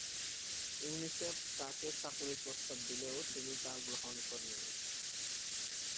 UNICEF তাকে চাকুরীর প্রস্তাব দিলেও, তিনি তা গ্রহণ করেননি।